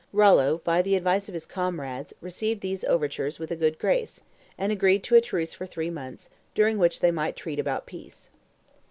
Rollo, by the advice of his comrades, received these overtures with a good grace, and agreed to a truce for three months, during which they might treat about peace.